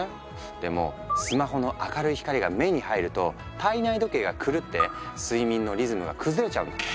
でもスマホの明るい光が目に入ると体内時計が狂って睡眠のリズムが崩れちゃうんだって。